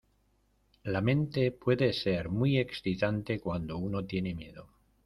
la mente puede ser muy excitante cuando uno tiene miedo.